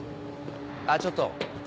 あぁちょっと。